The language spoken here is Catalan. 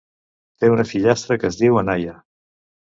Té una fillastra que es diu Anaya.